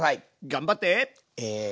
頑張って！